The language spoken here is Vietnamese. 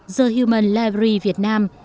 the human library việt nam